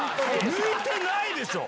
抜いてないでしょ！